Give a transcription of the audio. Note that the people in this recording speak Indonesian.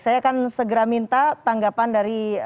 saya akan segera minta tanggapan dari